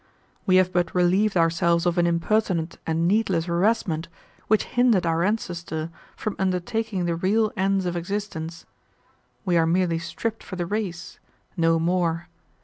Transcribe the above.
We have but relieved ourselves of an impertinent and needless harassment which hindered our ancestor from undertaking the real ends of existence. We are merely stripped for the race; no more.